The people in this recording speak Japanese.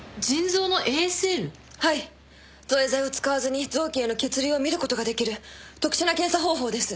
造影剤を使わずに臓器への血流を見ることができる特殊な検査方法です。